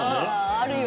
あるよ。